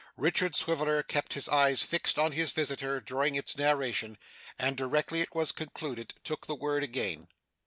Richard Swiveller kept his eyes fixed on his visitor during its narration, and directly it was concluded, took the word again.